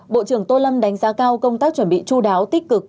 bộ trưởng tô lâm đánh giá cao công tác chuẩn bị chú đáo tích cực